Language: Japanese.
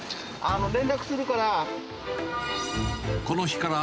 連絡するから。